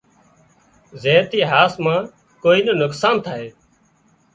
زين ٿي هاس مان ڪوئي نُون نقصان ٿائي